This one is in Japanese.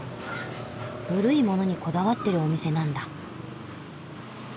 古いものにこだわってるお店なんだ。